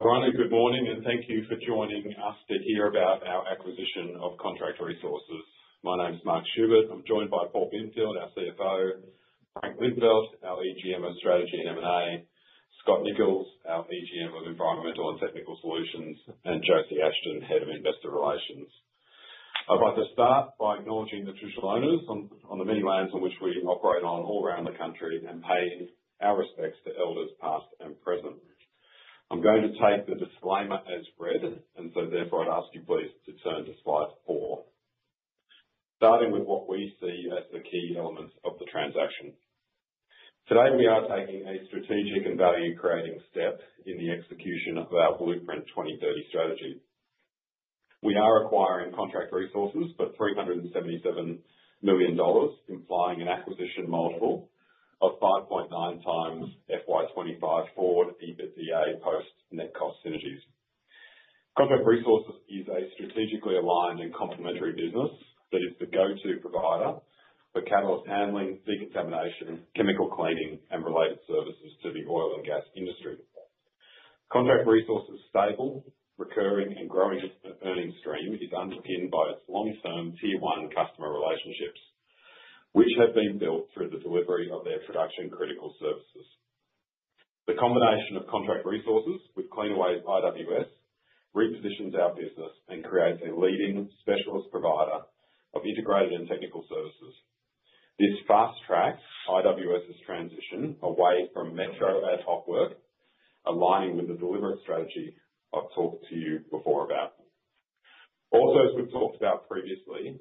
Good morning, and thank you for joining us to hear about our acquisition of Contract Resources. My name's Mark Schubert. I'm joined by Paul Binfield, our CFO, Frank Lintvelt, our EGM of Strategy and M&A, Scott Nicholls, our EGM of Environmental and Technical Solutions, and Josie Ashton, Head of Investor Relations. I'd like to start by acknowledging the traditional owners on the many lands on which we operate all around the country and paying our respects to elders past and present. I'm going to take the disclaimer as read, and therefore I'd ask you please to turn to slide four, starting with what we see as the key elements of the transaction. Today we are taking a strategic and value-creating step in the execution of our Blueprint 2030 strategy. We are acquiring Contract Resources for 377 million dollars, implying an acquisition multiple of 5.9 times FY25 forward EBITDA post net cost synergies. Contract Resources is a strategically aligned and complementary business that is the go-to provider for catalyst handling, decontamination, chemical cleaning, and related services to the oil and gas industry. Contract Resources' stable, recurring, and growing earnings stream is underpinned by its long-term tier-one customer relationships, which have been built through the delivery of their production-critical services. The combination of Contract Resources with Cleanaway's IWS repositions our business and creates a leading specialist provider of integrated and technical services. This fast-tracks IWS's transition away from metro ad hoc work, aligning with the deliberate strategy I've talked to you before about. Also, as we've talked about previously,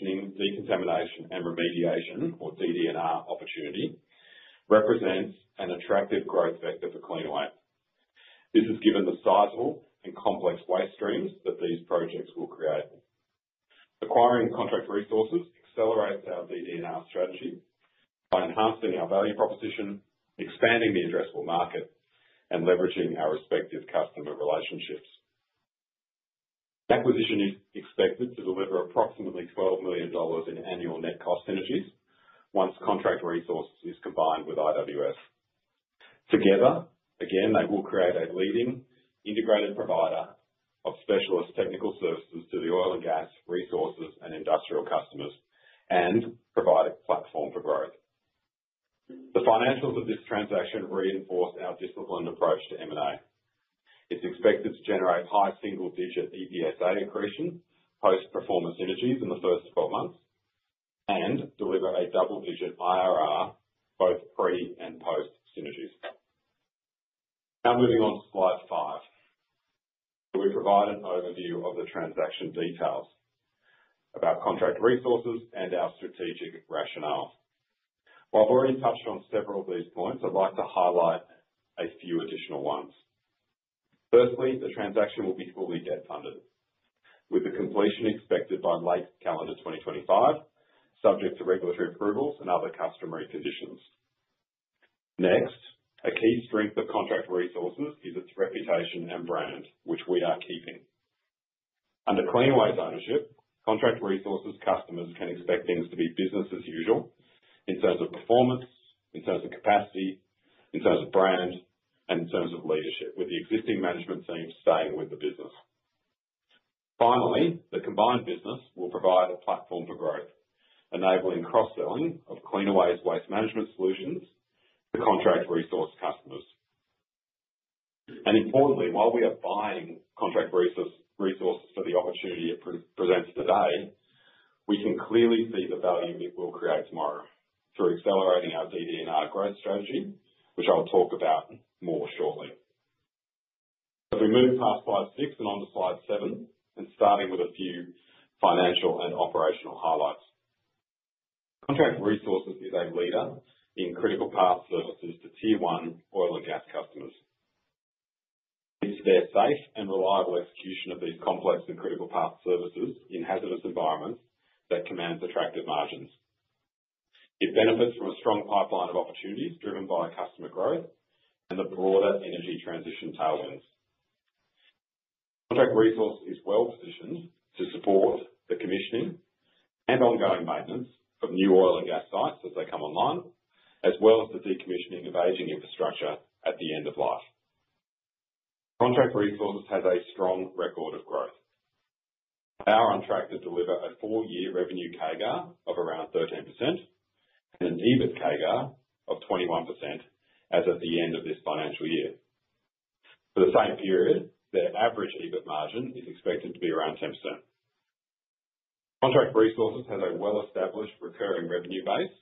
the decommissioning, decontamination, and remediation, or DDR, opportunity represents an attractive growth vector for Cleanaway. This is given the sizable and complex waste streams that these projects will create. Acquiring Contract Resources accelerates our DDR strategy by enhancing our value proposition, expanding the addressable market, and leveraging our respective customer relationships. Acquisition is expected to deliver approximately 12 million dollars in annual net cost synergies once Contract Resources is combined with IWS. Together, again, they will create a leading integrated provider of specialist technical services to the oil and gas resources and industrial customers and provide a platform for growth. The financials of this transaction reinforce our disciplined approach to M&A. It's expected to generate high single-digit EPSA accretion post-performance synergies in the first 12 months and deliver a double-digit IRR both pre and post-synergies. Now moving on to slide five, we provide an overview of the transaction details about Contract Resources and our strategic rationale. While I've already touched on several of these points, I'd like to highlight a few additional ones. Firstly, the transaction will be fully debt funded, with the completion expected by late calendar 2025, subject to regulatory approvals and other customary conditions. Next, a key strength of Contract Resources is its reputation and brand, which we are keeping. Under Cleanaway's ownership, Contract Resources customers can expect things to be business as usual in terms of performance, in terms of capacity, in terms of brand, and in terms of leadership, with the existing management team staying with the business. Finally, the combined business will provide a platform for growth, enabling cross-selling of Cleanaway's waste management solutions to Contract Resources customers. Importantly, while we are buying Contract Resources for the opportunity it presents today, we can clearly see the value it will create tomorrow through accelerating our DDR growth strategy, which I'll talk about more shortly. As we move past slide six and on to slide seven, and starting with a few financial and operational highlights, Contract Resources is a leader in critical path services to tier-one oil and gas customers. It's their safe and reliable execution of these complex and critical path services in hazardous environments that commands attractive margins. It benefits from a strong pipeline of opportunities driven by customer growth and the broader energy transition tailwinds. Contract Resources is well positioned to support the commissioning and ongoing maintenance of new oil and gas sites as they come online, as well as the decommissioning of aging infrastructure at the end of life. Contract Resources has a strong record of growth. They are on track to deliver a four-year revenue CAGR of around 13% and an EBIT CAGR of 21% as of the end of this financial year. For the same period, their average EBIT margin is expected to be around 10%. Contract Resources has a well-established recurring revenue base,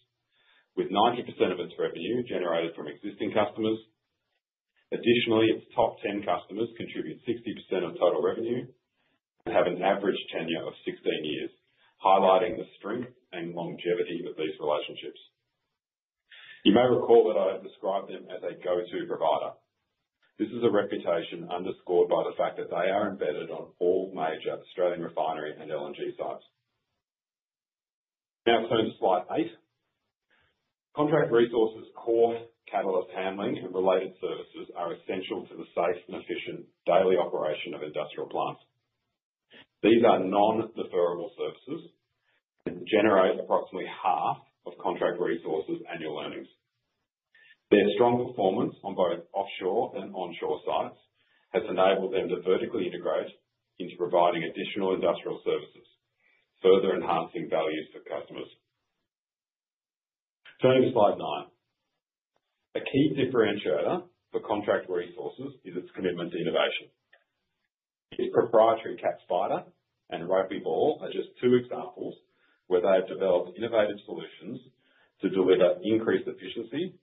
with 90% of its revenue generated from existing customers. Additionally, its top 10 customers contribute 60% of total revenue and have an average tenure of 16 years, highlighting the strength and longevity of these relationships. You may recall that I described them as a go-to provider. This is a reputation underscored by the fact that they are embedded on all major Australian refinery and LNG sites. Now, turn to slide eight. Contract Resources' core catalyst handling and related services are essential to the safe and efficient daily operation of industrial plants. These are non-deferrable services and generate approximately half of Contract Resources' annual earnings. Their strong performance on both offshore and onshore sites has enabled them to vertically integrate into providing additional industrial services, further enhancing value for customers. Turning to slide nine, a key differentiator for Contract Resources is its commitment to innovation. Its proprietary CatSpider and Rugby Ball are just two examples where they have developed innovative solutions to deliver increased efficiency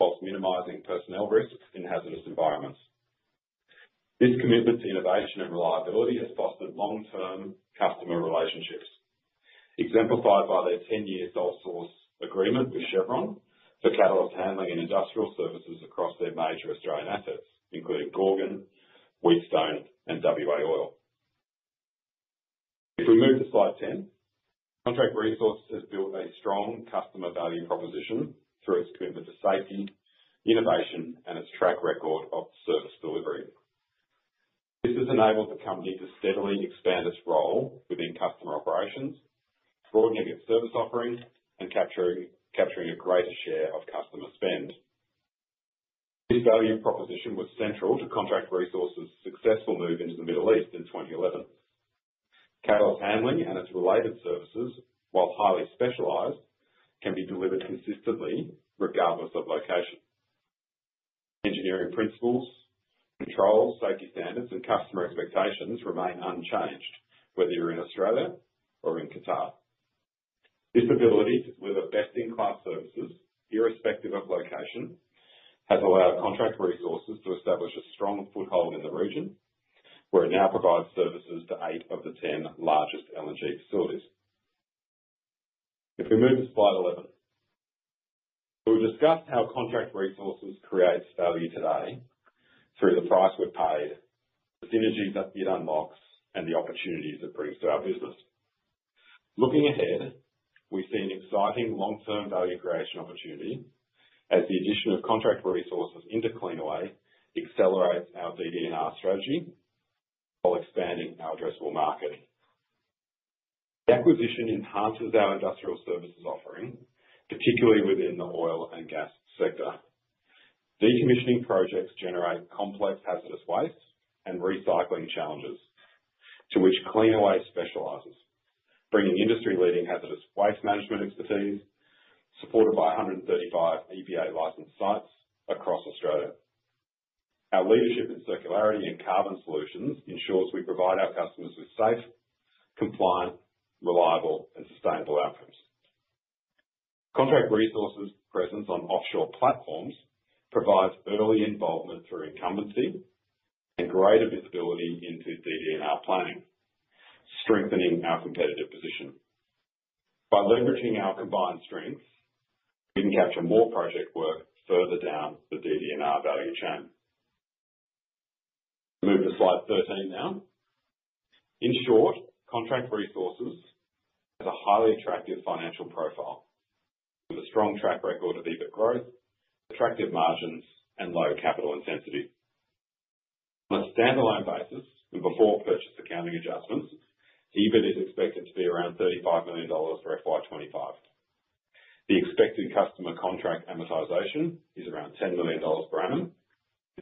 whilst minimizing personnel risks in hazardous environments. This commitment to innovation and reliability has fostered long-term customer relationships, exemplified by their 10-year sole source agreement with Chevron for catalyst handling and industrial services across their major Australian assets, including Gorgon, Wheatstone, and WA Oil. If we move to slide ten, Contract Resources has built a strong customer value proposition through its commitment to safety, innovation, and its track record of service delivery. This has enabled the company to steadily expand its role within customer operations, broadening its service offering, and capturing a greater share of customer spend. This value proposition was central to Contract Resources' successful move into the Middle East in 2011. Catalyst handling and its related services, while highly specialised, can be delivered consistently regardless of location. Engineering principles, controls, safety standards, and customer expectations remain unchanged whether you're in Australia or in Qatar. This ability to deliver best-in-class services irrespective of location has allowed Contract Resources to establish a strong foothold in the region, where it now provides services to eight of the 10 largest LNG facilities. If we move to slide 11, we'll discuss how Contract Resources creates value today through the price we're paid, the synergies it unlocks, and the opportunities it brings to our business. Looking ahead, we see an exciting long-term value creation opportunity as the addition of Contract Resources into Cleanaway accelerates our DDR strategy while expanding our addressable market. The acquisition enhances our industrial services offering, particularly within the oil and gas sector. Decommissioning projects generate complex hazardous waste and recycling challenges to which Cleanaway specializes, bringing industry-leading hazardous waste management expertise supported by 135 EPA-licensed sites across Australia. Our leadership in circularity and carbon solutions ensures we provide our customers with safe, compliant, reliable, and sustainable outcomes. Contract Resources' presence on offshore platforms provides early involvement through incumbency and greater visibility into DDR planning, strengthening our competitive position. By leveraging our combined strengths, we can capture more project work further down the DDR value chain. Move to slide 13 now. In short, Contract Resources has a highly attractive financial profile with a strong track record of EBIT growth, attractive margins, and low capital intensity. On a standalone basis and before purchase accounting adjustments, EBIT is expected to be around 35 million dollars for FY2025. The expected customer contract amortization is around 10 million dollars per annum.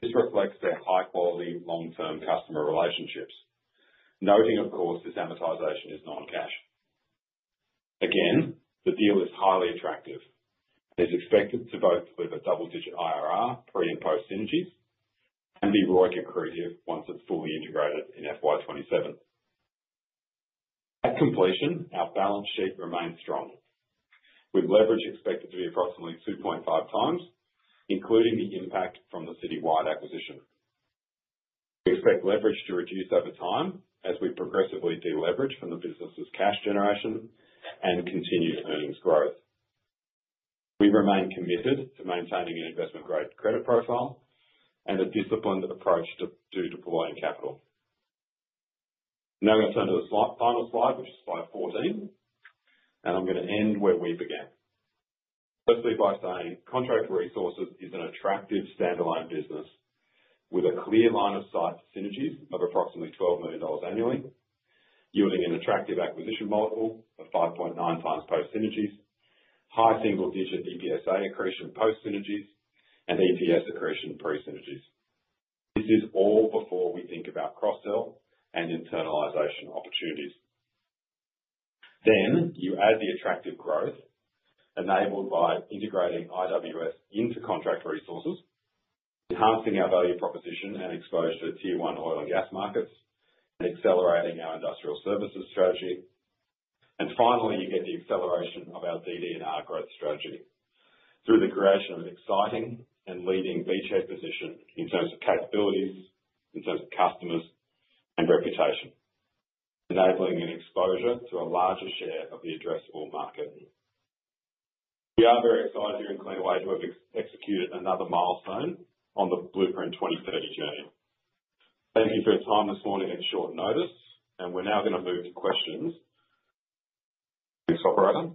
This reflects their high-quality long-term customer relationships, noting, of course, this amortization is non-cash. Again, the deal is highly attractive and is expected to both deliver double-digit IRR pre and post-synergies and be ROIC accretive once it's fully integrated in FY2027. At completion, our balance sheet remains strong with leverage expected to be approximately 2.5 times, including the impact from the Citywide acquisition. We expect leverage to reduce over time as we progressively deleverage from the business's cash generation and continued earnings growth. We remain committed to maintaining an investment-grade credit profile and a disciplined approach to deploying capital. Now I'm going to turn to the final slide, which is slide 14, and I'm going to end where we began, firstly by saying Contract Resources is an attractive standalone business with a clear line of sight for synergies of approximately 12 million dollars annually, yielding an attractive acquisition multiple of 5.9 times post-synergies, high single-digit EPSA accretion post-synergies, and EPS accretion pre-synergies. This is all before we think about cross-sell and internalisation opportunities. You add the attractive growth enabled by integrating IWS into Contract Resources, enhancing our value proposition and exposure to tier-one oil and gas markets, and accelerating our industrial services strategy. You get the acceleration of our DDR growth strategy through the creation of an exciting and leading T-shaped position in terms of capabilities, in terms of customers, and reputation, enabling an exposure to a larger share of the addressable market. We are very excited here in Cleanaway to have executed another milestone on the Blueprint 2030 journey. Thank you for your time this morning at short notice, and we're now going to move to questions. Thanks, Operator.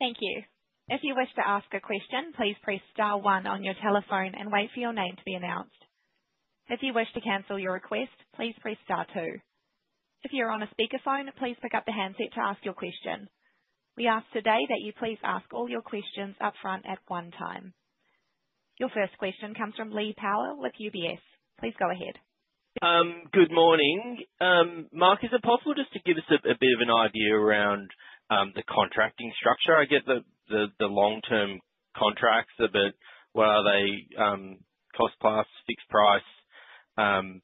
Thank you. If you wish to ask a question, please press star one on your telephone and wait for your name to be announced. If you wish to cancel your request, please press star two. If you're on a speakerphone, please pick up the handset to ask your question. We ask today that you please ask all your questions upfront at one time. Your first question comes from Lee Power with UBS. Please go ahead. Good morning. Mark, is it possible just to give us a bit of an idea around the contracting structure? I get the long-term contracts a bit. What are they? Cost plus, fixed price. And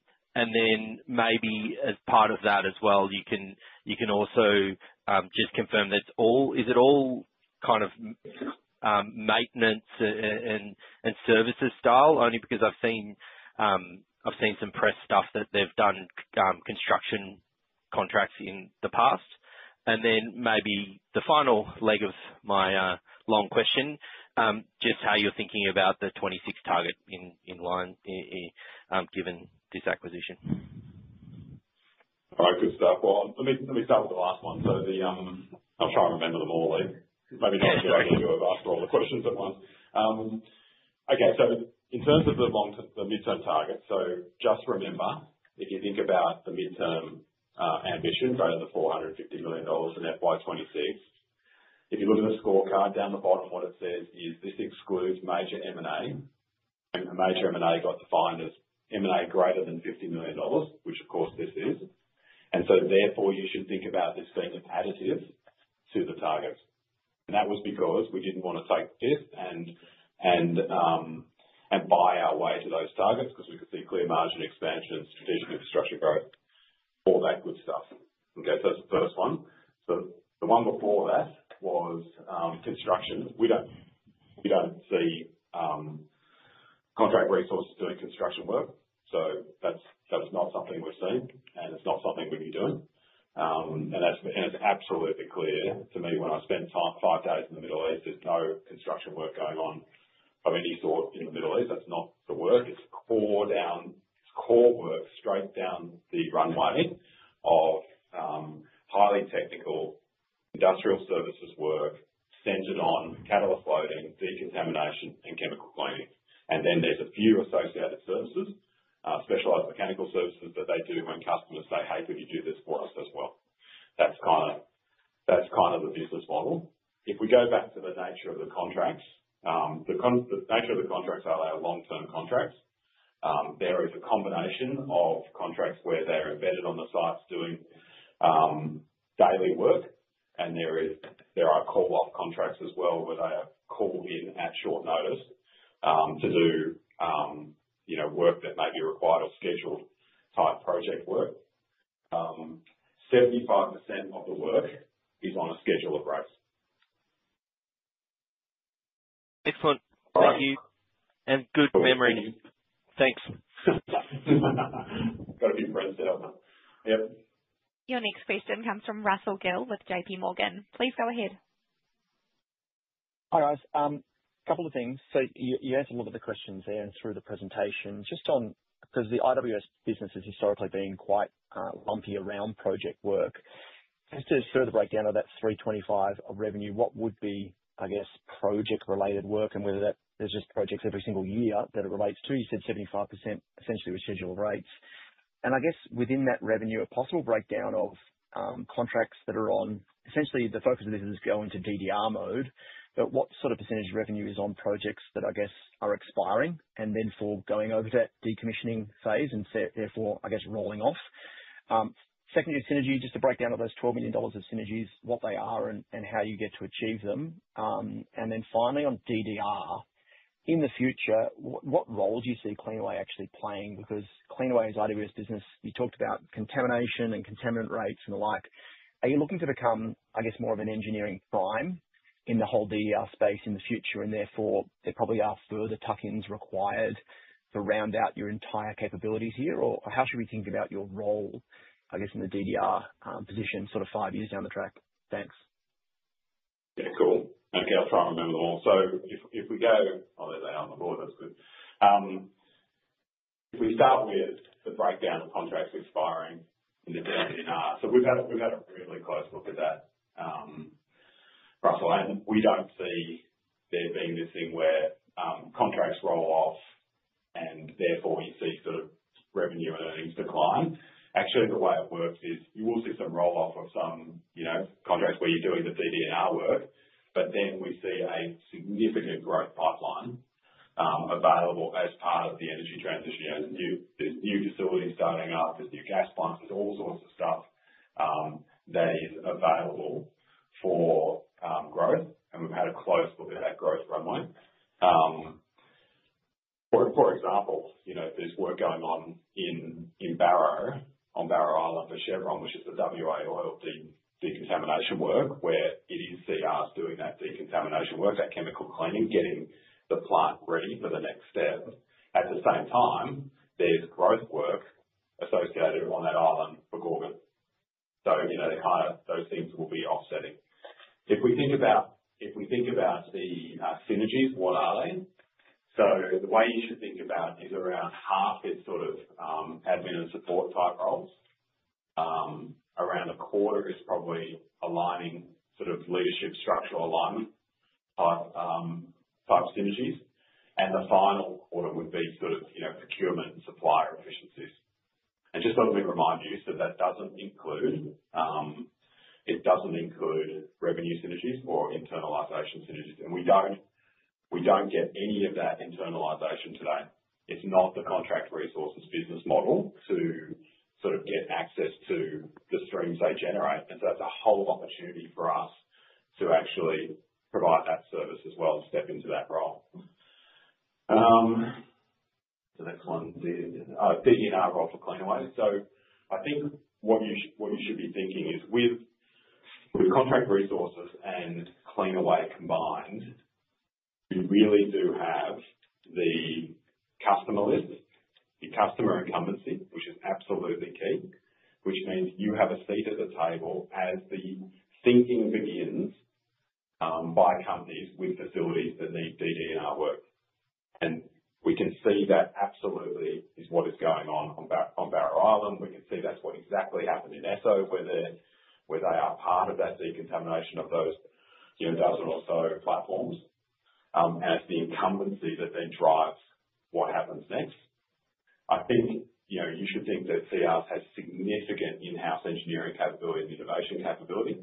then maybe as part of that as well, you can also just confirm that it's all—is it all kind of maintenance and services style? Only because I've seen some press stuff that they've done construction contracts in the past. And then maybe the final leg of my long question, just how you're thinking about the 2026 target in line given this acquisition. All right. Good stuff. Let me start with the last one. I am sure I remember them all. Maybe not a good idea to ask for all the questions at once. Okay. In terms of the midterm target, just remember, if you think about the midterm ambition, greater than 450 million dollars in FY2026, if you look at the scorecard down the bottom, what it says is this excludes major M&A. Major M&A got defined as M&A greater than 50 million dollars, which of course this is. Therefore, you should think about this being an additive to the target. That was because we did not want to take this and buy our way to those targets because we could see clear margin expansion and strategic infrastructure growth for that good stuff. That is the first one. The one before that was construction. We do not see Contract Resources doing construction work. That is not something we have seen, and it is not something we would be doing. It is absolutely clear to me when I spend five days in the Middle East, there is no construction work going on of any sort in the Middle East. That is not the work. It is core work straight down the runway of highly technical industrial services work centered on catalyst loading, decontamination, and chemical cleaning. There are a few associated services, specialized mechanical services that they do when customers say, "Hey, could you do this for us as well?" That is kind of the business model. If we go back to the nature of the contracts, the nature of the contracts is they are long-term contracts. There is a combination of contracts where they are embedded on the sites doing daily work, and there are call-off contracts as well where they are called in at short notice to do work that may be required or scheduled type project work. 75% of the work is on a schedule of rates. Excellent. Thank you. And good memory. Thanks. Got a few friends there. Yep. Your next question comes from Russell Gill with JPMorgan. Please go ahead. Hi, guys. A couple of things. You answered a lot of the questions there and through the presentation. Just on because the IWS business has historically been quite lumpy around project work. Just a further breakdown of that 325 of revenue, what would be, I guess, project-related work and whether that is just projects every single year that it relates to? You said 75% essentially schedule of rates. I guess within that revenue, a possible breakdown of contracts that are on essentially the focus of this is going to DDR mode, but what sort of percentage revenue is on projects that I guess are expiring and therefore going over that decommissioning phase and therefore, I guess, rolling off? Secondary synergy, just a breakdown of those 12 million dollars of synergies, what they are and how you get to achieve them. Finally on DDR, in the future, what role do you see Cleanaway actually playing? Because Cleanaway is IWS business. You talked about contamination and contaminant rates and the like. Are you looking to become, I guess, more of an engineering prime in the whole DDR space in the future and therefore there probably are further tuck-ins required to round out your entire capabilities here? Or how should we think about your role, I guess, in the DDR position sort of five years down the track? Thanks. Yeah. Cool. Okay. I'll try and remember them all. If we go—oh, there they are on the board. That's good. If we start with the breakdown of contracts expiring in the DDR. We have had a really close look at that, Russell, and we do not see there being this thing where contracts roll off and therefore you see sort of revenue and earnings decline. Actually, the way it works is you will see some roll-off of some contracts where you are doing the DDR work, but then we see a significant growth pipeline available as part of the energy transition. Are new facilities starting up, there are new gas plants, there is all sorts of stuff that is available for growth, and we have had a close look at that growth runway. For example, there is work going on in Barrow on Barrow Island for Chevron, which is the WA oil decontamination work where it is Contract Resources doing that decontamination work, that chemical cleaning, getting the plant ready for the next step. At the same time, there is growth work associated on that island for Gorgon. Those things will be offsetting. If we think about the synergies, what are they? The way you should think about it is around half is sort of admin and support type roles. Around a quarter is probably aligning sort of leadership structural alignment type synergies. The final quarter would be sort of procurement and supplier efficiencies. Let me remind you that that does not include—it does not include revenue synergies or internalisation synergies. We do not get any of that internalisation today. It is not the Contract Resources business model to sort of get access to the streams they generate. That is a whole opportunity for us to actually provide that service as well and step into that role. The next one is a DDR role for Cleanaway. I think what you should be thinking is with Contract Resources and Cleanaway combined, you really do have the customer list, the customer incumbency, which is absolutely key, which means you have a seat at the table as the thinking begins by companies with facilities that need DDR work. We can see that absolutely is what is going on on Barrow Island. We can see that's what exactly happened in Esso where they are part of that decontamination of those dozen or so platforms. It's the incumbency that then drives what happens next. I think you should think that CR have significant in-house engineering capability and innovation capability.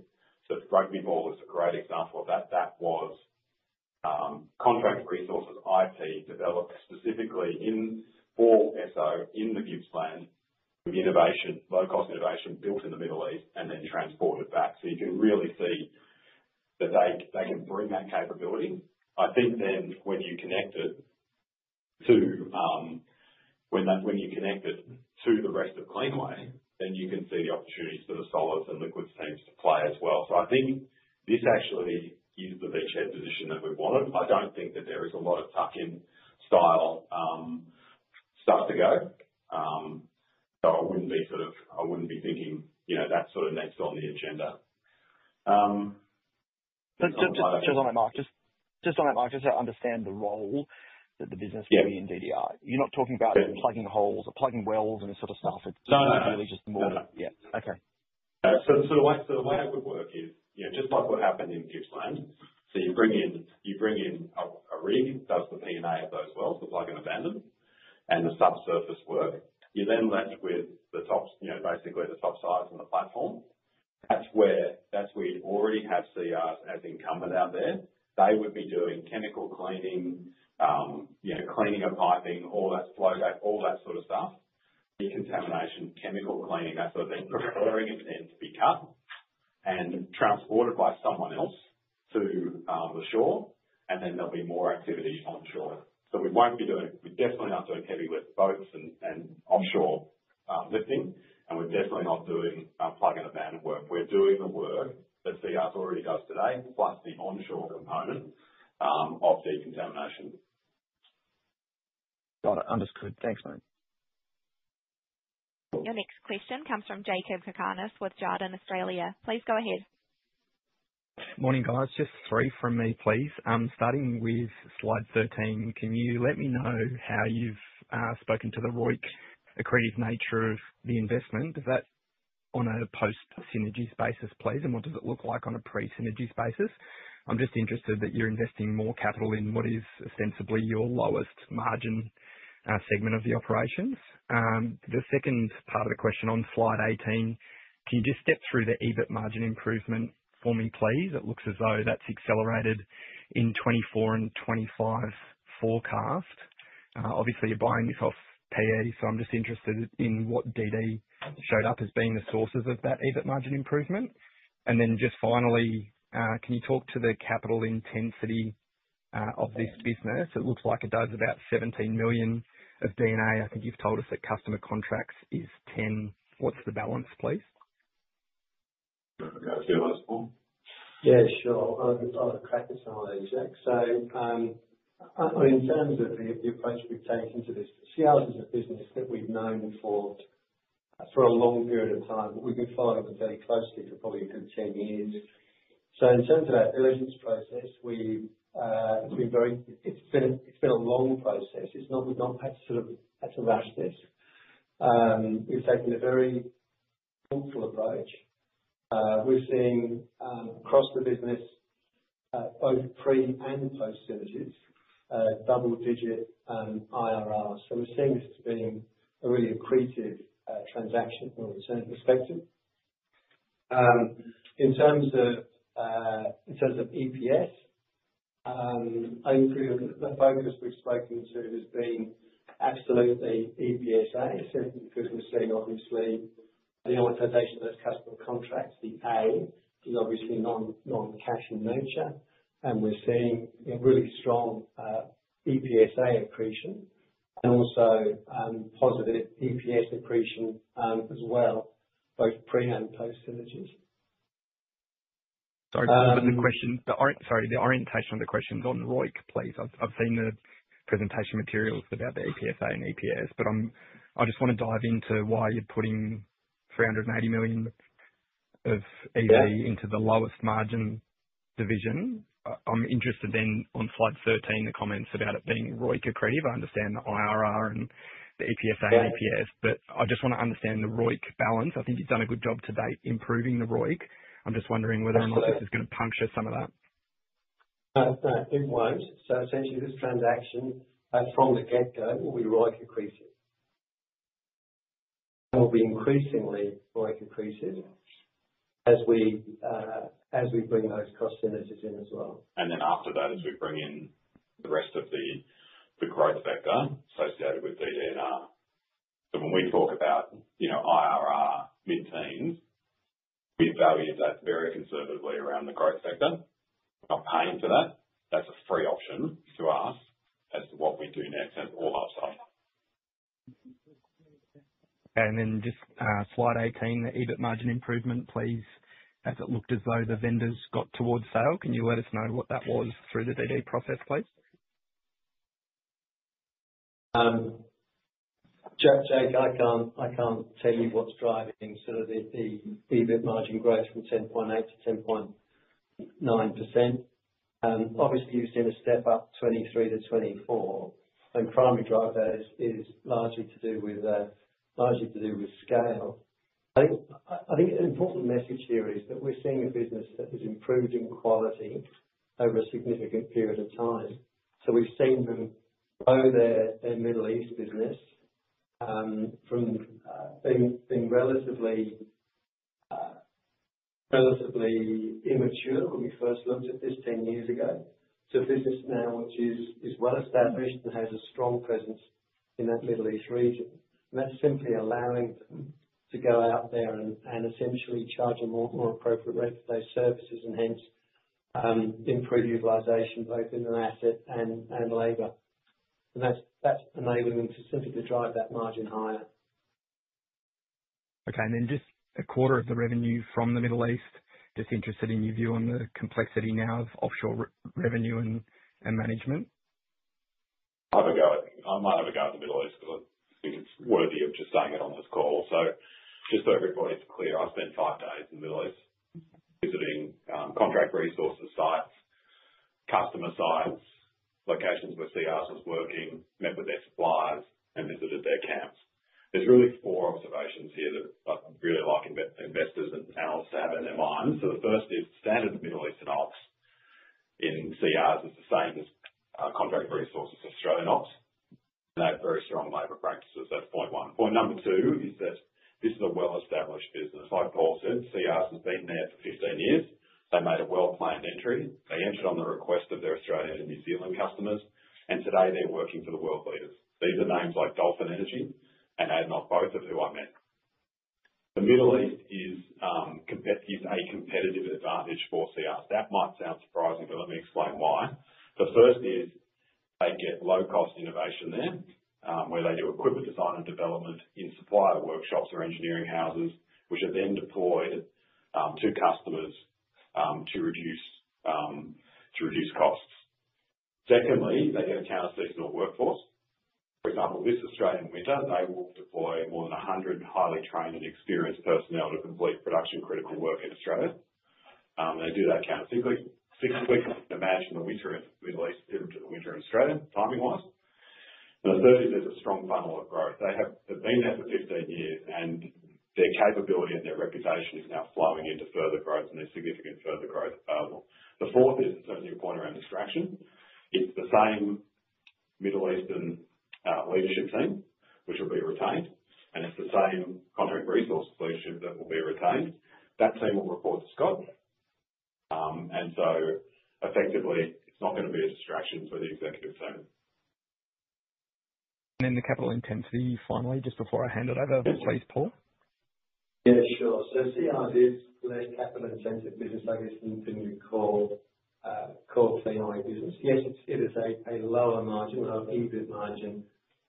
Rugby Ball is a great example of that. That was Contract Resources IP developed specifically for Esso in the Gippsland Basin, low-cost innovation built in the Middle East and then transported back. You can really see that they can bring that capability. I think then when you connect it to the rest of Cleanaway, you can see the opportunities for the solids and liquid streams to play as well. I think this actually is the T-shaped position that we wanted. I don't think that there is a lot of tuck-in style stuff to go. I wouldn't be thinking that's sort of next on the agenda. Just on that Mark, just to understand the role that the business will be in DDR. You're not talking about plugging holes or plugging wells and this sort of stuff. It's really just more—yeah. Okay. The way it would work is just like what happened in Gippsland. You bring in a rig that does the P&A of those wells, the plug and abandon, and the subsurface work. You're then left with basically the topsides and the platform. That's where you already have CR as incumbent out there. They would be doing chemical cleaning, cleaning of piping, all that flow lines, all that sort of stuff, decontamination, chemical cleaning, that sort of thing. The mooring is then to be cut and transported by someone else to the shore, and then there will be more activity onshore. We will not be doing—we definitely are not doing heavy lift boats and offshore lifting, and we are definitely not doing plug and abandon work. We are doing the work that CR already does today, plus the onshore component of decontamination. Got it. Understood. Thanks, mate. Your next question comes from Jakob Cakarnis with Jarden Australia. Please go ahead. Morning, guys. Just three from me, please. Starting with slide 13, can you let me know how about you have spoken to the ROIC, accretive nature of the investment? Is that on a post-synergies basis, please? And what does it look like on a pre-synergies basis? I am just interested that you are investing more capital in what is ostensibly your lowest margin segment of the operations. The second part of the question on slide 18, can you just step through the EBIT margin improvement for me, please? It looks as though that's accelerated in 2024 and 2025 forecast. Obviously, you're buying this off PE. So I'm just interested in what DD showed up as being the sources of that EBIT margin improvement. And then just finally, can you talk to the capital intensity of this business? It looks like it does about 17 million of D&A. I think you've told us that customer contracts is 10. What's the balance, please? Can you ask Paul? Yeah, sure. I'll crack into some of those, Jakob. In terms of the approach we've taken to this, CR is a business that we've known for a long period of time, but we've been following them very closely for probably a good 10 years. In terms of our diligence process, it's been a long process. We've not had to sort of rush this. We've taken a very thoughtful approach. We've seen across the business, both pre and post-synergies, double-digit IRRs. We're seeing this as being a really accretive transaction from a return perspective. In terms of EPS, I think the focus we've spoken to has been absolutely EPSA, simply because we're seeing, obviously, the amortization of those customer contracts, the A is obviously non-cash in nature. We're seeing really strong EPSA accretion and also positive EPS accretion as well, both pre and post-synergies. Sorry, the question—sorry, the orientation of the question on ROIC, please. I've seen the presentation materials about the EPSA and EPS, but I just want to dive into why you're putting 380 million of EV into the lowest margin division. I'm interested then on slide 13, the comments about it being ROIC accretive. I understand the IRR and the EPSA and EPS, but I just want to understand the ROIC balance. I think you've done a good job to date improving the ROIC. I'm just wondering whether or not this is going to puncture some of that. No, it won't. Essentially, this transaction from the get-go will be ROIC accretive. It will be increasingly ROIC accretive as we bring those cost synergies in as well. After that, as we bring in the rest of the growth factor associated with DDR. When we talk about IRR mid-teens, we value that very conservatively around the growth factor. We're not paying for that. That's a free option to us as to what we do next and all that stuff. Just slide 18, the EBIT margin improvement, please. It looked as though the vendors got towards sale. Can you let us know what that was through the DD process, please? Jakob, I can't tell you what's driving sort of the EBIT margin growth from 10.8% to 10.9%. Obviously, you've seen a step up 2023 to 2024, and primary drive there is largely to do with scale. I think an important message here is that we're seeing a business that has improved in quality over a significant period of time. We've seen them grow their Middle East business from being relatively immature when we first looked at this 10 years ago to a business now which is well established and has a strong presence in that Middle East region. That is simply allowing them to go out there and essentially charge a more appropriate rate for those services and hence improve utilization both in an asset and labor. That's enabling them to simply drive that margin higher. Okay. Just a quarter of the revenue from the Middle East. Just interested in your view on the complexity now of offshore revenue and management. I might have a go at the Middle East because I think it's worthy of just saying it on this call. Just so everybody's clear, I spent five days in the Middle East visiting Contract Resources sites, customer sites, locations where CR were working, met with their suppliers, and visited their camps. There are really four observations here that I'd really like investors and panelists to have in their minds. The first is standard Middle Eastern Ops in CR is the same as Contract Resources Australia Ops. They have very strong labor practices. That's point one. Point number two is that this is a well-established business. Like Paul said, CR have been there for 15 years. They made a well-planned entry. They entered on the request of their Australia and New Zealand customers, and today they're working for the world leaders. These are names like Dolphin Energy and ADNOC, both of whom I met. The Middle East is a competitive advantage for CR. That might sound surprising, but let me explain why. The first is they get low-cost innovation there where they do equipment design and development in supplier workshops or engineering houses, which are then deployed to customers to reduce costs. Secondly, they get a counter-seasonal workforce. For example, this Australian winter, they will deploy more than 100 highly trained and experienced personnel to complete production-critical work in Australia. They do that counter-seasonally. Imagine the winter in the Middle East isn't just the winter in Australia timing-wise. The third is there's a strong funnel of growth. They've been there for 15 years, and their capability and their reputation is now flowing into further growth, and there's significant further growth available. The fourth is certainly a point around distraction. It's the same Middle Eastern leadership team, which will be retained, and it's the same Contract Resources leadership that will be retained. That team will report to Scott. Effectively, it's not going to be a distraction for the executive team. The capital intensity, finally, just before I hand it over, please, Paul. Yeah, sure. CR is a less capital-intensive business. I guess you can call Cleanaway business. Yes, it is a lower margin, lower EBIT margin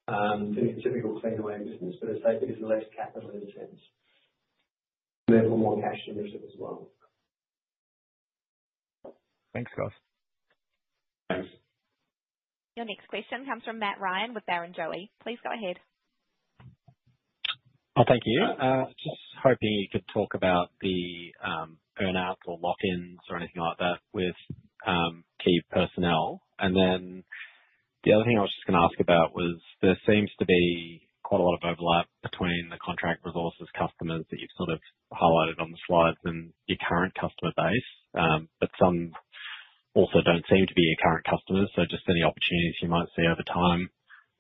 than your typical Cleanaway business, but it's less capital-intense. Therefore, more cash in return as well. Thanks, guys. Thanks. Your next question comes from Matt Ryan from Barrenjoey. Please go ahead. Thank you. Just hoping you could talk about the earnouts or lock-ins or anything like that with key personnel. The other thing I was just going to ask about was there seems to be quite a lot of overlap between the Contract Resources customers that you've sort of highlighted on the slides and your current customer base, but some also don't seem to be your current customers. Just any opportunities you might see over time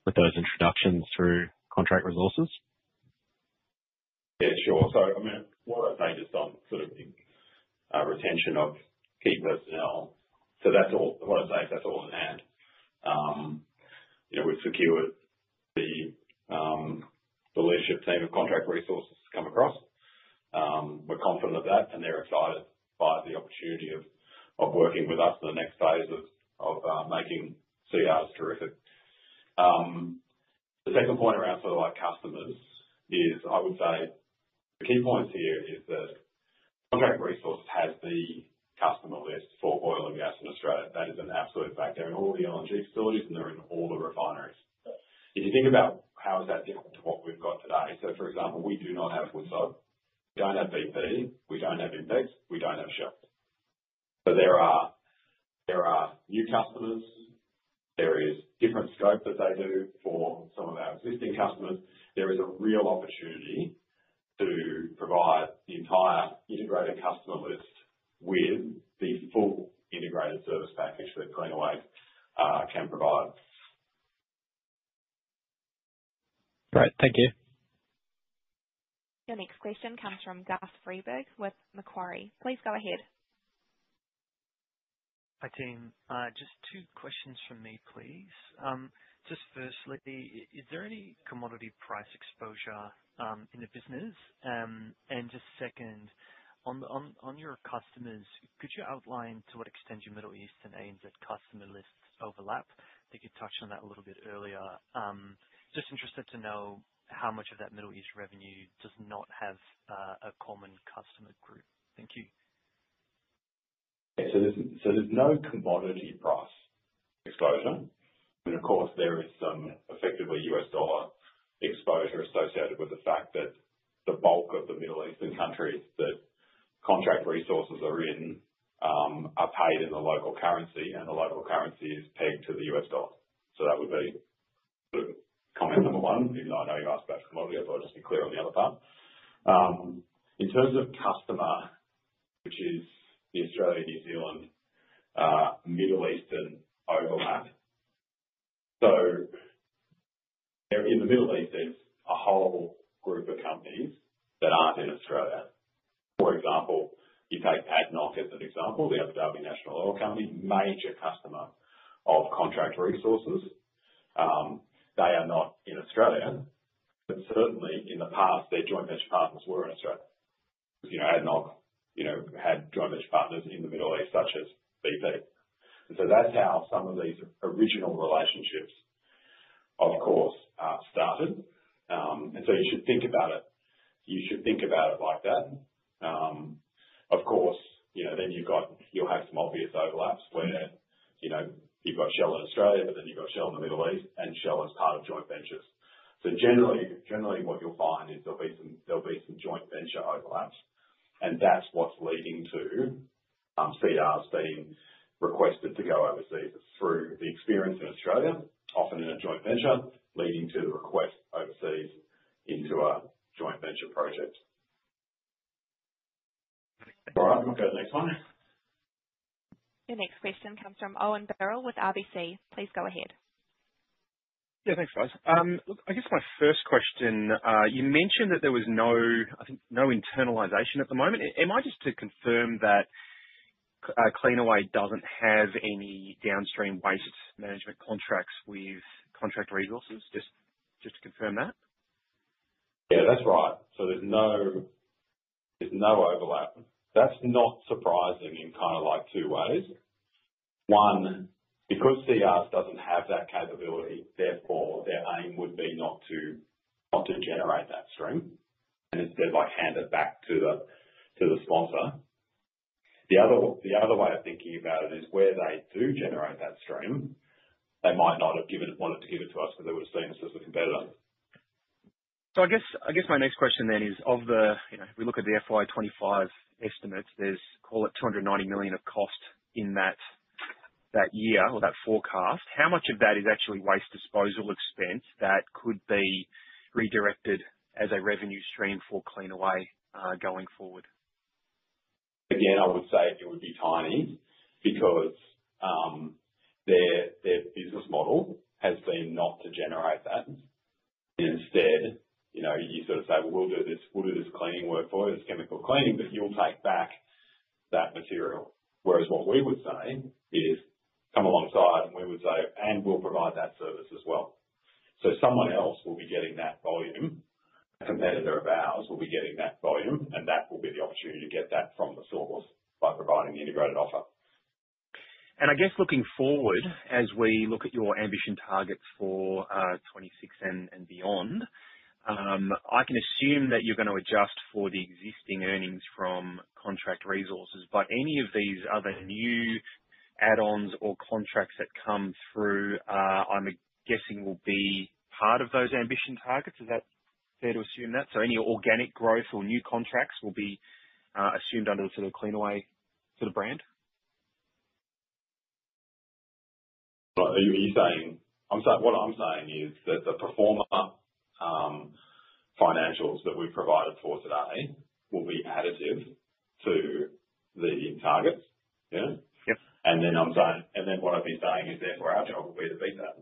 with those introductions through Contract Resources? Yeah, sure. I mean, what I say just on sort of retention of key personnel, what I say is that's all in hand. We've secured the leadership team of Contract Resources to come across. We're confident of that, and they're excited by the opportunity of working with us in the next phase of making CR terrific. The second point around sort of customers is, I would say the key point here is that Contract Resources has the customer list for oil and gas in Australia. That is an absolute fact. They're in all the LNG facilities, and they're in all the refineries. If you think about how is that different to what we've got today, for example, we do not have Woodside. We don't have BP. We don't have INPEX. We don't have Shell. There are new customers. There is different scope that they do for some of our existing customers. There is a real opportunity to provide the entire integrated customer list with the full integrated service package that Cleanaway can provide. Right. Thank you. Your next question comes from Guus Vreeburg with Macquarie. Please go ahead. Hi, team. Just two questions from me, please. Just firstly, is there any commodity price exposure in the business? And just second, on your customers, could you outline to what extent your Middle Eastern aims at customer list overlap? I think you touched on that a little bit earlier. Just interested to know how much of that Middle East revenue does not have a common customer group. Thank you. There is no commodity price exposure. I mean, of course, there is some effectively US dollar exposure associated with the fact that the bulk of the Middle Eastern countries that Contract Resources are in are paid in the local currency, and the local currency is pegged to the US dollar. That would be comment number one, even though I know you asked about commodity, I thought I'd just be clear on the other part. In terms of customer, which is the Australia, New Zealand, Middle Eastern overlap, in the Middle East, there's a whole group of companies that aren't in Australia. For example, you take ADNOC as an example, the Abu Dhabi National Oil Company, major customer of Contract Resources. They are not in Australia, but certainly in the past, their joint venture partners were in Australia. ADNOC had joint venture partners in the Middle East, such as BP. That is how some of these original relationships, of course, started. You should think about it like that. Of course, then you'll have some obvious overlaps where you've got Shell in Australia, but then you've got Shell in the Middle East, and Shell is part of joint ventures. Generally, what you'll find is there'll be some joint venture overlaps, and that's what's leading to CR being requested to go overseas through the experience in Australia, often in a joint venture, leading to the request overseas into a joint venture project. All right. I'll go to the next one. Your next question comes from Owen Birrell with RBC. Please go ahead. Yeah, thanks, guys. Look, I guess my first question, you mentioned that there was no, I think, no internalisation at the moment. Am I just to confirm that Cleanaway doesn't have any downstream waste management contracts with Contract Resources? Just to confirm that. Yeah, that's right. So there's no overlap. That's not surprising in kind of like two ways. One, because CR doesn't have that capability, therefore their aim would be not to generate that stream and instead hand it back to the sponsor. The other way of thinking about it is where they do generate that stream, they might not have wanted to give it to us because they would have seen us as a competitor. I guess my next question then is, if we look at the FY2025 estimates, there's, call it, 290 million of cost in that year or that forecast. How much of that is actually waste disposal expense that could be redirected as a revenue stream for Cleanaway going forward? Again, I would say it would be tiny because their business model has been not to generate that. Instead, you sort of say, "We'll do this cleaning work for you, this chemical cleaning, but you'll take back that material." Whereas what we would say is, "Come alongside," and we would say, "And we'll provide that service as well." Someone else will be getting that volume. A competitor of ours will be getting that volume, and that will be the opportunity to get that from the source by providing the integrated offer. I guess looking forward, as we look at your ambition targets for 2026 and beyond, I can assume that you're going to adjust for the existing earnings from Contract Resources. Any of these other new add-ons or contracts that come through, I'm guessing, will be part of those ambition targets. Is that fair to assume that? Any organic growth or new contracts will be assumed under the sort of Cleanaway sort of brand? Are you saying what I'm saying is that the pro forma financials that we provided for today will be additive to the targets, yeah? And then I'm saying and then what I'd be saying is therefore our job will be to beat that.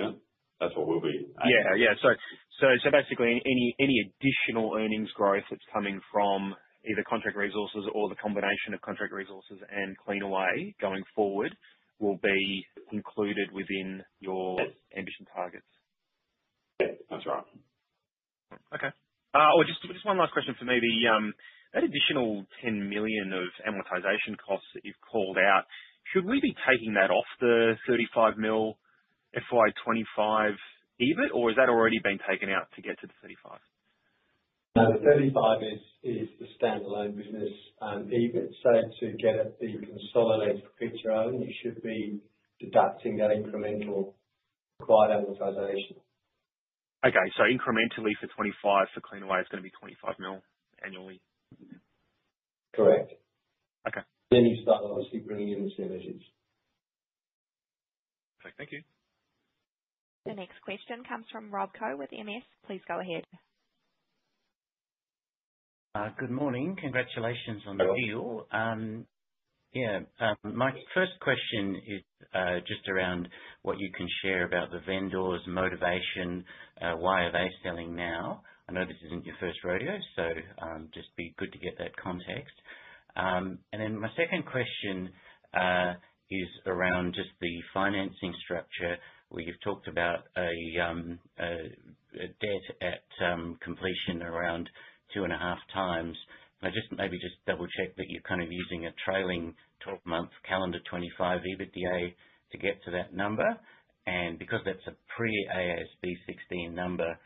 Yeah. That's what we'll be. Yeah. Yeah. So basically, any additional earnings growth that's coming from either Contract Resources or the combination of Contract Resources and Cleanaway going forward will be included within your ambition targets. Yeah. That's right. Okay. Just one last question for me. That additional 10 million of amortization costs that you've called out, should we be taking that off the 35 million FY2025 EBIT, or has that already been taken out to get to the 35? No, the 35 is the standalone business EBIT. To get it, the consolidated feature only, you should be deducting that incremental required amortization. Okay. Incrementally for 2025, for Cleanaway, it's going to be 25 million annually? Correct. You start, obviously, bringing in the synergies. Thank you. The next question comes from Rob Koh with MS. Please go ahead. Good morning. Congratulations on the deal. My first question is just around what you can share about the vendors' motivation, why are they selling now? I know this isn't your first rodeo, so just be good to get that context. My second question is around just the financing structure where you've talked about a debt at completion around two and a half times. Maybe just double-check that you're kind of using a trailing 12-month calendar 2025 EBITDA to get to that number. Because that's a pre-AASB 16 number,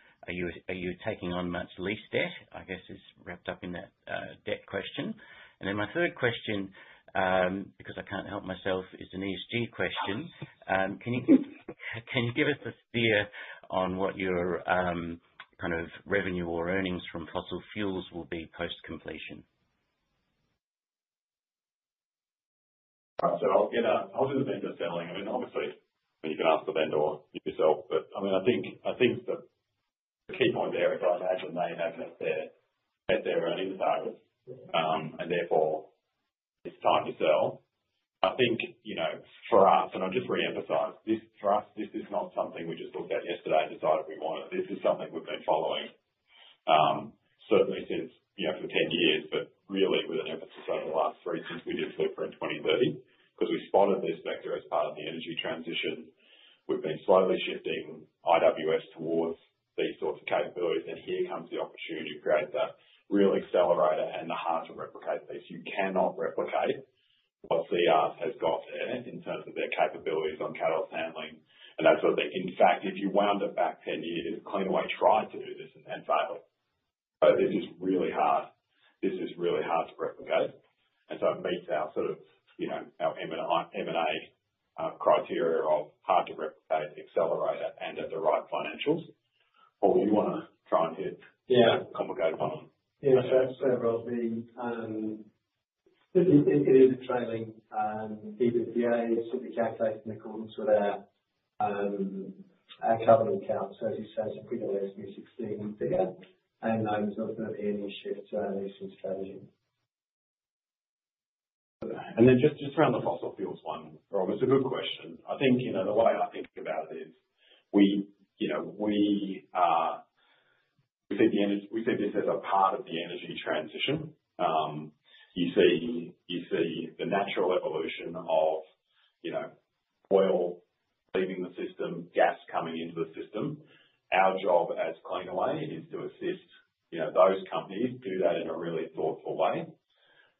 are you taking on much lease debt? I guess it's wrapped up in that debt question. My third question, because I can't help myself, is an ESG question. Can you give us a steer on what your kind of revenue or earnings from fossil fuels will be post-completion? I'll do the vendor selling. I mean, obviously, you can ask the vendor yourself. I think the key point there is I imagine they have met their earnings targets, and therefore it's time to sell. I think for us, and I'll just re-emphasize, for us, this is not something we just looked at yesterday and decided we wanted. This is something we've been following certainly for 10 years, but really with an emphasis over the last three since we did Blueprint 2030. Because we spotted this vector as part of the energy transition, we've been slowly shifting IWS towards these sorts of capabilities, and here comes the opportunity to create that real accelerator and the heart to replicate this. You cannot replicate what CR have got there in terms of their capabilities on catalyst handling. If you wound it back 10 years, Cleanaway tried to do this and failed. This is really hard. This is really hard to replicate. It meets our sort of our M&A criteria of hard to replicate, accelerator, and at the right financials. We want to try and hit a complicated one. Yeah. That's fair, Rob. It is a trailing EBITDA to be calculated in accordance with our current accounts. As you say, it's a bit of AASB 16 figure. There is not going to be any shift to our leasing strategy. Just around the fossil fuels one, Rob, it is a good question. I think the way I think about it is we see this as a part of the energy transition. You see the natural evolution of oil leaving the system, gas coming into the system. Our job as Cleanaway is to assist those companies do that in a really thoughtful way.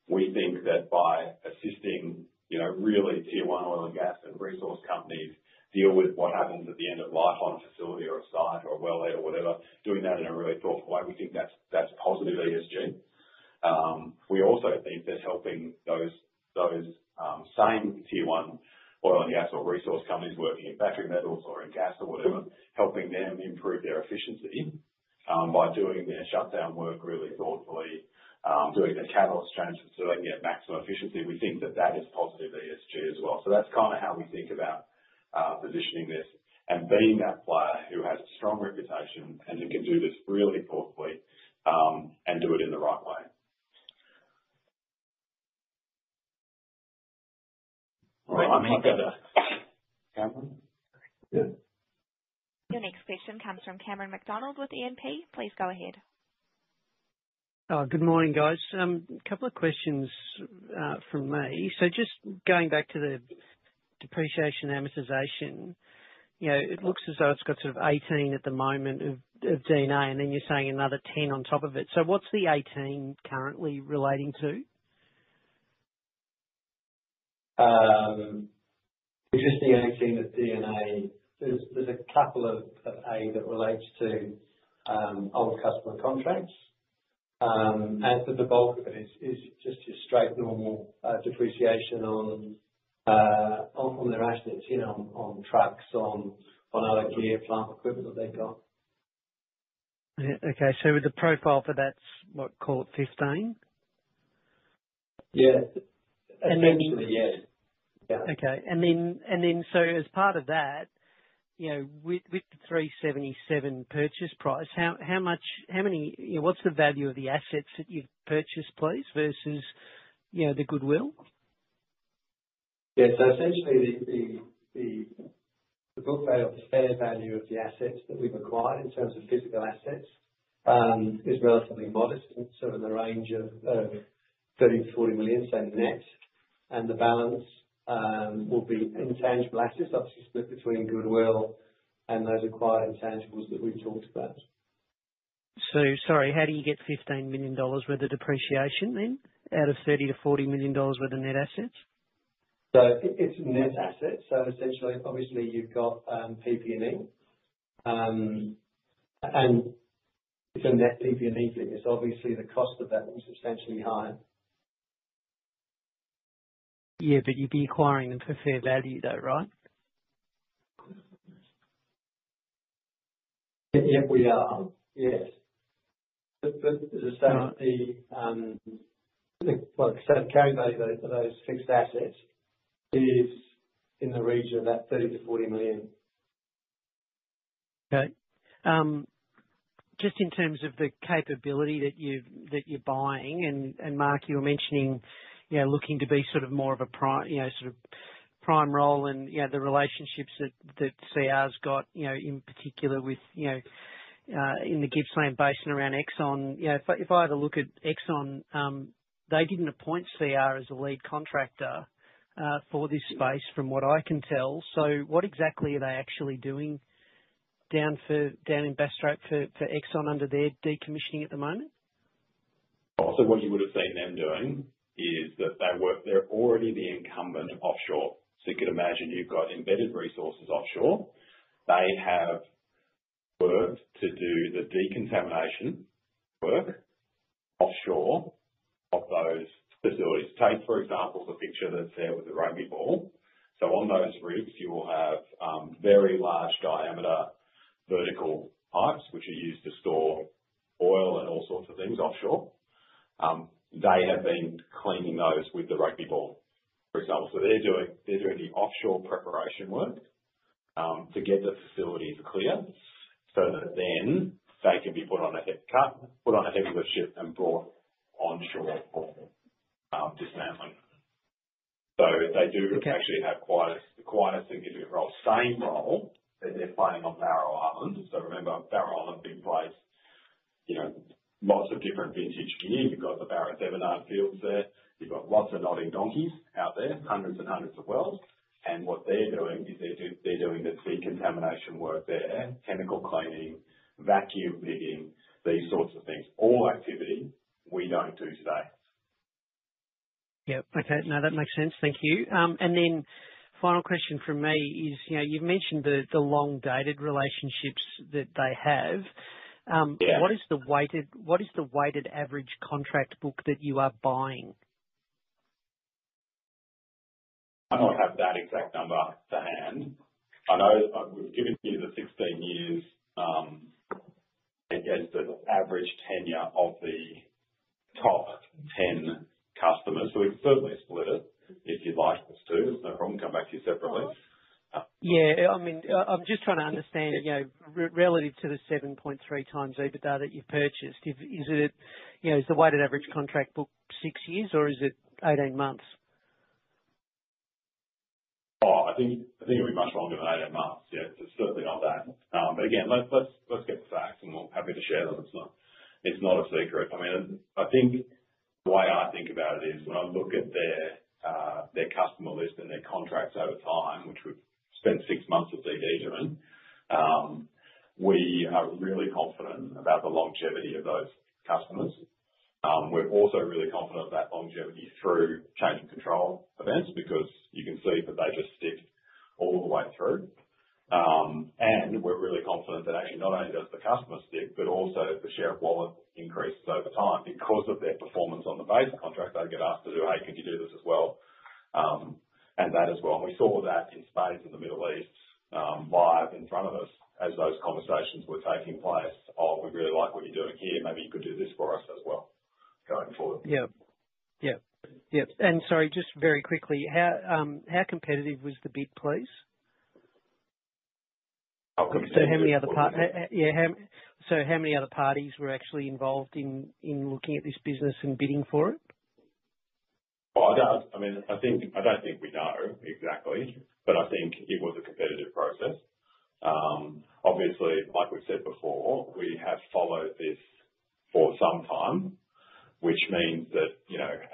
We think that by assisting really tier one oil and gas and resource companies deal with what happens at the end of life on a facility or a site or a wellhead or whatever, doing that in a really thoughtful way, we think that is positive ESG. We also think that helping those same tier one oil and gas or resource companies working in battery metals or in gas or whatever, helping them improve their efficiency by doing their shutdown work really thoughtfully, doing their catalyst transfer so they can get maximum efficiency, we think that that is positive ESG as well. That is kind of how we think about positioning this and being that player who has a strong reputation and who can do this really thoughtfully and do it in the right way. All right. I think I've got a Cameron? Yeah. Your next question comes from Cameron McDonald with E&P. Please go ahead. Good morning, guys. A couple of questions from me. Just going back to the depreciation amortization, it looks as though it's got sort of 18 at the moment of D&A, and then you're saying another 10 on top of it. What's the 18 currently relating to? Interesting, 18 of D&A. There's a couple of A that relates to old customer contracts. The bulk of it is just your straight normal depreciation on their assets, on trucks, on other gear, plant, equipment that they've got. Okay. With the profile for that, what, call it 15? Yeah. Essentially, yeah. Yeah. Okay. As part of that, with the 377 million purchase price, what's the value of the assets that you've purchased, please, versus the goodwill? Yeah. Essentially, the book value of the assets that we've acquired in terms of physical assets is relatively modest, so in the range of 30 million-40 million, say net. The balance will be intangible assets, obviously split between goodwill and those acquired intangibles that we've talked about. Sorry, how do you get $15 million worth of depreciation then out of 30-40 million dollars worth of net assets? It is net assets. Essentially, obviously, you have got PP&E. It is a net PP&E thing. It is obviously the cost of that one is substantially higher. Yeah. You would be acquiring them for fair value though, right? Yep, we are. Yes. As I say, the carry value for those fixed assets is in the region of that 30-40 million. Okay. Just in terms of the capability that you are buying, and Mark, you were mentioning looking to be sort of more of a sort of prime role and the relationships that CR has got in particular within the Gippsland Basin around Exxon. If I had a look at Exxon, they did not appoint CR as a lead contractor for this space from what I can tell. What exactly are they actually doing down in Bass Strait for Exxon under their decommissioning at the moment? What you would have seen them doing is that they're already the incumbent offshore. You could imagine you've got embedded resources offshore. They have worked to do the decontamination work offshore of those facilities. Take, for example, the picture that's there with the Rugby Ball. On those rigs, you will have very large diameter vertical pipes which are used to store oil and all sorts of things offshore. They have been cleaning those with the Rugby Ball, for example. They're doing the offshore preparation work to get the facilities clear so that they can be put on a heavy lift ship and brought onshore for dismantling. They do actually have quite a significant role. Same role that they're playing on Barrow Island. Remember, Barrow Island being placed, lots of different vintage gear. You've got the Barrow and Thevenard fields there. You've got lots of nodding donkeys out there, hundreds and hundreds of wells. What they're doing is they're doing the decontamination work there, chemical cleaning, vacuum digging, these sorts of things. All activity we don't do today. Yep. Okay. Now that makes sense. Thank you. Final question from me is you've mentioned the long-dated relationships that they have. What is the weighted average contract book that you are buying? I don't have that exact number to hand. I know we've given you the 16 years, I guess, the average tenure of the top 10 customers. We can certainly split it if you'd like us to. It's no problem coming back to you separately. Yeah. I mean, I'm just trying to understand relative to the 7.3 times EBITDA that you've purchased, is the weighted average contract book six years or is it 18 months? Oh, I think it'd be much longer than 18 months. Yeah. It's certainly not that. Again, let's get the facts and we'll be happy to share them. It's not a secret. I mean, I think the way I think about it is when I look at their customer list and their contracts over time, which we've spent six months of DD doing, we are really confident about the longevity of those customers. We're also really confident of that longevity through change of control events because you can see that they just stick all the way through. We're really confident that actually not only does the customer stick, but also the share of wallet increases over time because of their performance on the base contract. They get asked to do, "Hey, can you do this as well?" And that as well. We saw that in spades in the Middle East live in front of us as those conversations were taking place. "Oh, we really like what you're doing here. Maybe you could do this for us as well going forward." Yep. Yep. Yep. Sorry, just very quickly, how competitive was the bid place? How many other parties were actually involved in looking at this business and bidding for it? I mean, I don't think we know exactly, but I think it was a competitive process. Obviously, like we've said before, we have followed this for some time, which means that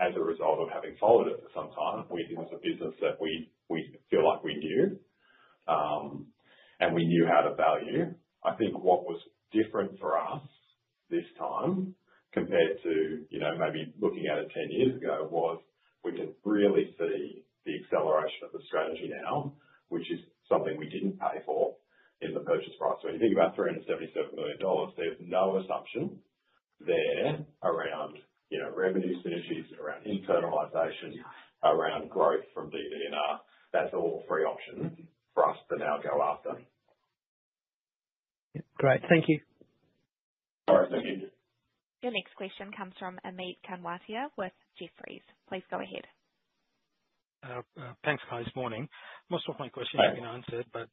as a result of having followed it for some time, it was a business that we feel like we knew and we knew how to value. I think what was different for us this time compared to maybe looking at it 10 years ago was we can really see the acceleration of the strategy now, which is something we didn't pay for in the purchase price. When you think about 377 million dollars, there's no assumption there around revenue synergies, around internalisation, around growth from DDR. That's all free option for us to now go after. Great. Thank you. All right. Thank you. Your next question comes from Amit Kanwatia with Jefferies. Please go ahead. Thanks, guys. Morning. Most of my questions have been answered, but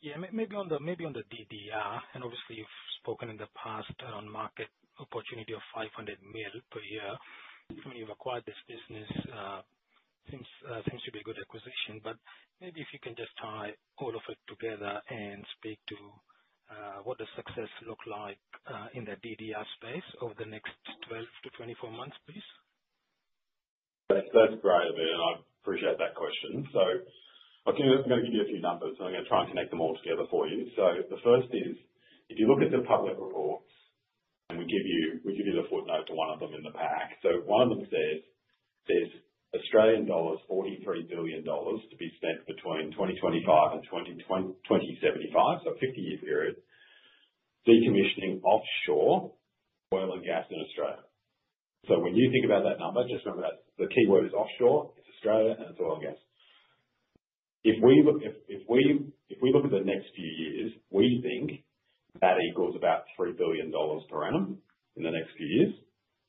yeah, maybe on the DDR. Obviously, you've spoken in the past on market opportunity of 500 million per year. You've acquired this business, seems to be a good acquisition. Maybe if you can just tie all of it together and speak to what the success looks like in the DDR space over the next 12-24 months, please. Let's drive it. I appreciate that question. I'm going to give you a few numbers, and I'm going to try and connect them all together for you. The first is, if you look at the public reports, and we give you the footnote to one of them in the pack. One of them says there's Australian dollars 43 billion to be spent between 2025 and 2075, so 50-year period, decommissioning offshore oil and gas in Australia. When you think about that number, just remember that the keyword is offshore, it's Australia, and it's oil and gas. If we look at the next few years, we think that equals about 3 billion dollars per annum in the next few years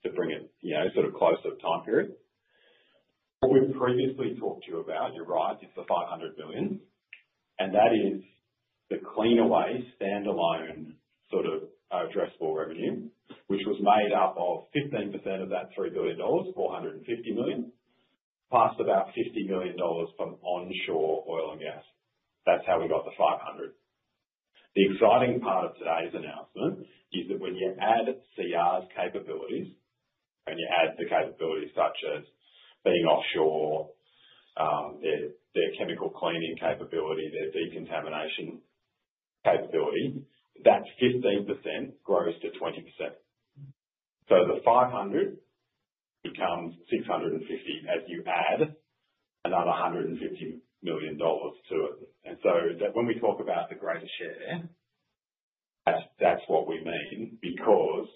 to bring it sort of close to the time period. What we've previously talked to you about, you're right, is the 500 million. That is the Cleanaway standalone sort of addressable revenue, which was made up of 15% of that 3 billion dollars, 450 million, plus about 50 million dollars from onshore oil and gas. That's how we got the 500 million. The exciting part of today's announcement is that when you add Contract Resources' capabilities, when you add the capabilities such as being offshore, their chemical cleaning capability, their decontamination capability, that 15% grows to 20%. The 500 becomes 650 as you add another $150 million to it. When we talk about the greater share, that's what we mean because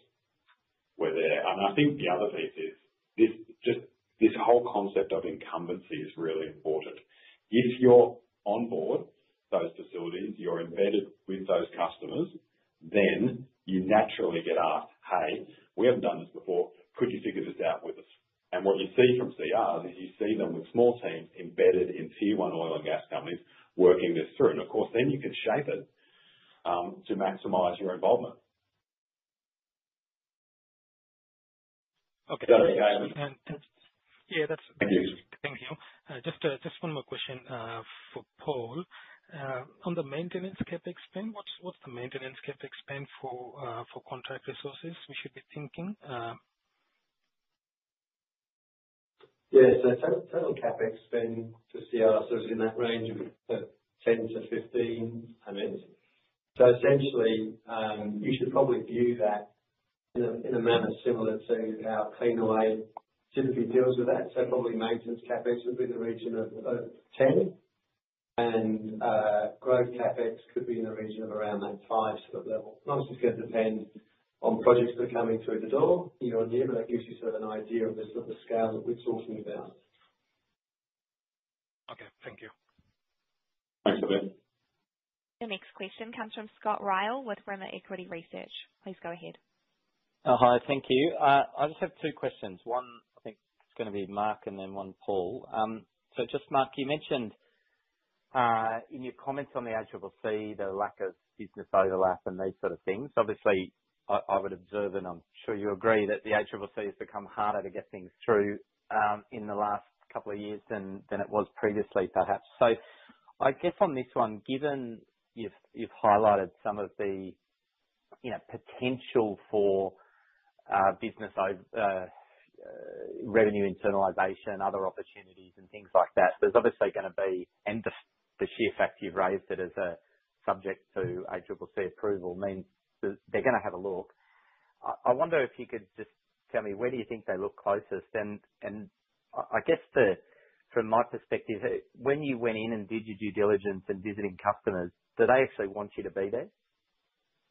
we're there. I think the other piece is just this whole concept of incumbency is really important. If you're on board those facilities, you're embedded with those customers, then you naturally get asked, "Hey, we haven't done this before. Could you figure this out with us?" What you see from CR is you see them with small teams embedded in tier one oil and gas companies working this through. Of course, then you can shape it to maximise your involvement. Okay. Yeah. That's perfect. Thank you. Just one more question for Paul. On the maintenance CapEx spend, what's the maintenance CapEx spend for Contract Resources we should be thinking? Yeah. Total CapEx spend for CR is in that range of 10-15, I mean. Essentially, you should probably view that in a manner similar to how Cleanaway typically deals with that. Probably maintenance CapEx would be in the region of 10, and growth CapEx could be in the region of around that 5 sort of level. Obviously, it's going to depend on projects that are coming through the door year on year, but that gives you sort of an idea of the sort of scale that we're talking about. Okay. Thank you. Thanks for that. Your next question comes from Scott Ryall with Rimor Equity Research. Please go ahead. Hi. Thank you. I just have two questions. One, I think it's going to be Mark, and then one Paul. Mark, you mentioned in your comments on the ACCC, the lack of business overlap and those sort of things. Obviously, I would observe, and I'm sure you agree, that the ACCC has become harder to get things through in the last couple of years than it was previously, perhaps. I guess on this one, given you've highlighted some of the potential for business revenue internalisation, other opportunities, and things like that, there's obviously going to be. The sheer fact you've raised it as a subject to ACCC approval means that they're going to have a look. I wonder if you could just tell me, where do you think they look closest? I guess from my perspective, when you went in and did your due diligence and visiting customers, did they actually want you to be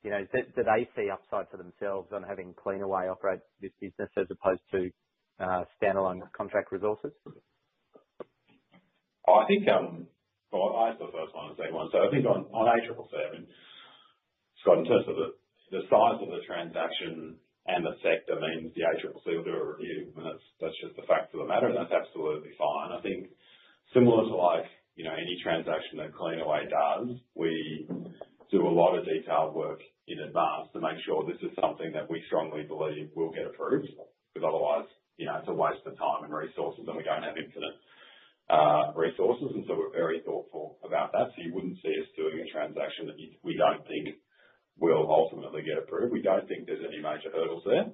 there? Did they see upside for themselves on having Cleanaway operate this business as opposed to standalone Contract Resources? I think I'll answer the first one as a second one. I think on ACCC, I mean, Scott, in terms of the size of the transaction and the sector means the ACCC will do a review, and that's just the fact of the matter, and that's absolutely fine. I think similar to any transaction that Cleanaway does, we do a lot of detailed work in advance to make sure this is something that we strongly believe will get approved because otherwise it's a waste of time and resources, and we don't have infinite resources. We are very thoughtful about that. You wouldn't see us doing a transaction that we don't think will ultimately get approved. We don't think there's any major hurdles there.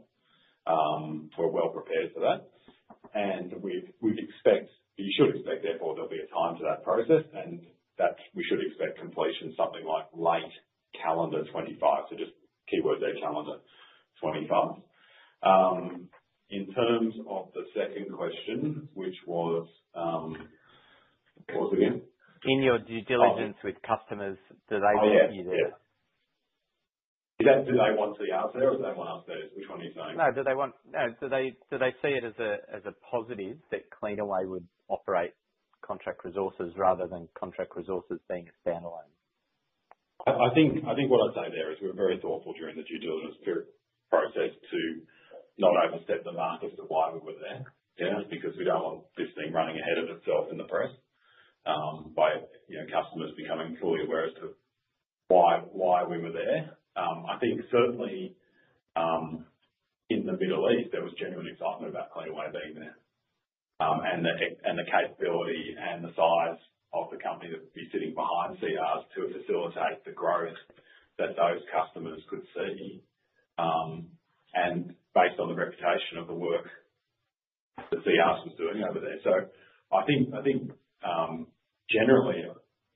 We are well prepared for that. We should expect, therefore, there will be a time to that process, and we should expect completion something like late calendar 2025. Just keyword there: calendar 2025. In terms of the second question, which was what was it again? In your due diligence with customers, do they want you there? Did they want CR there, or did they want us there? Which one are you saying? No. Did they see it as a positive that Cleanaway would operate Contract Resources lower than Contract Resources being standalone? I think what I would say there is we were very thoughtful during the due diligence process to not overstep the mark as to why we were there, because we do not want this thing running ahead of itself in the press by customers becoming fully aware as to why we were there. I think certainly in the Middle East, there was genuine excitement about Cleanaway being there and the capability and the size of the company that would be sitting behind CR to facilitate the growth that those customers could see and based on the reputation of the work that CR was doing over there. I think generally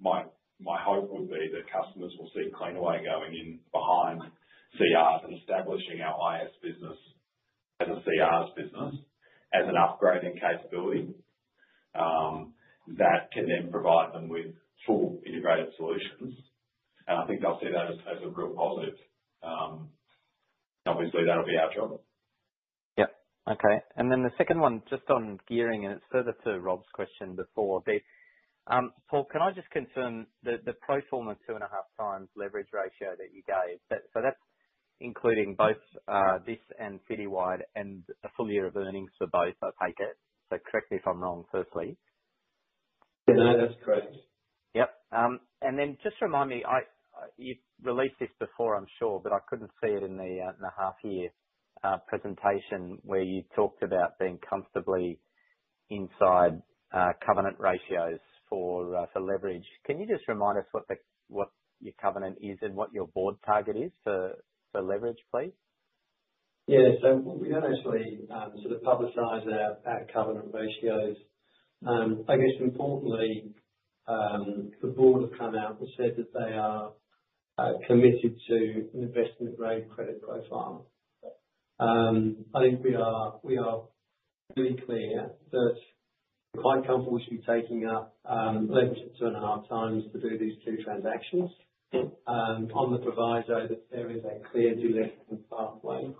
my hope would be that customers will see Cleanaway going in behind CR and establishing our IWS business as a CR business as an upgrading capability that can then provide them with full integrated solutions. I think they'll see that as a real positive. Obviously, that'll be our job. Yep. Okay. The second one, just on gearing, and it's further to Rob's question before. Paul, can I just confirm that the pro forma two and a half times leverage ratio that you gave, so that's including both this and Citywide and a full year of earnings for both, I take it. Correct me if I'm wrong, firstly. Yeah. No, that's correct. Yep. Just remind me, you've released this before, I'm sure, but I couldn't see it in the half-year presentation where you talked about being comfortably inside covenant ratios for leverage. Can you just remind us what your covenant is and what your board target is for leverage, please? Yeah. We don't actually sort of publicise our covenant ratios. I guess importantly, the board have come out and said that they are committed to an investment-grade credit profile. I think we are pretty clear that we're quite comfortable with you taking up leverage of two and a half times to do these two transactions on the proviso that there is a clear deleveraging pathway.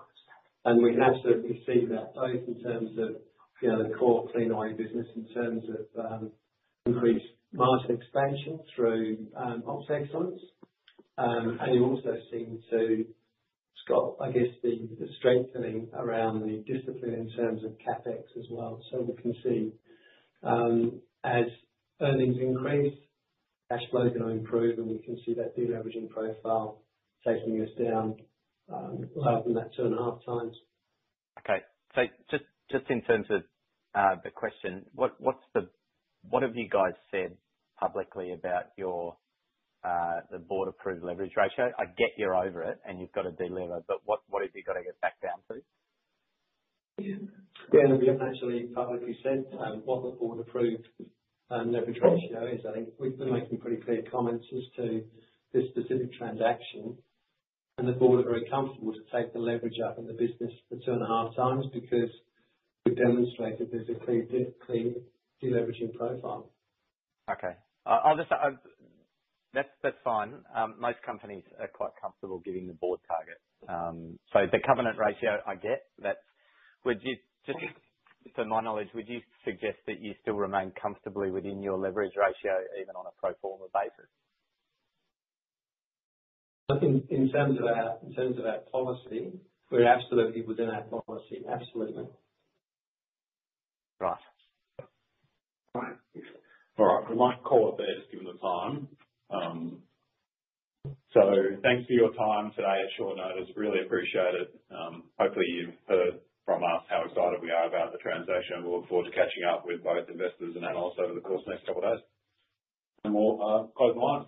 We can absolutely see that both in terms of the core Cleanaway business, in terms of increased margin expansion through Ops excellence. You also seem to, Scott, I guess the strengthening around the discipline in terms of CapEx as well. We can see as earnings increase, cash flows are going to improve, and we can see that deleveraging profile taking us down rather than that two and a half times. Okay. Just in terms of the question, what have you guys said publicly about the board-approved leverage ratio? I get you're over it and you've got to deliver, but what have you got to get back down to? Yeah. Yeah. We have not actually publicly said what the board-approved leverage ratio is. I think we have been making pretty clear comments as to this specific transaction, and the board are very comfortable to take the leverage up in the business for two and a half times because we have demonstrated there is a clear deleveraging profile. Okay. That is fine. Most companies are quite comfortable giving the board target. The covenant ratio, I get that. For my knowledge, would you suggest that you still remain comfortably within your leverage ratio even on a pro forma basis? In terms of our policy, we are absolutely within our policy. Absolutely. Right. All right. We might call it there just given the time. Thanks for your time today. A short note is really appreciated. Hopefully, you have heard from us how excited we are about the transaction. We'll look forward to catching up with both investors and analysts over the course of the next couple of days. We'll close the line.